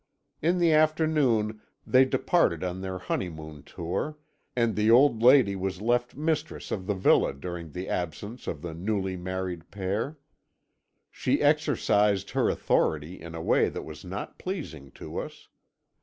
"In the afternoon they departed on their honeymoon tour, and the old lady was left mistress of the villa during the absence of the newly married pair. She exercised her authority in a way that was not pleasing to us.